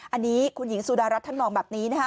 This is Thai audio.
อันนี้คุณหญิงสุดารัฐท่านมองแบบนี้นะคะ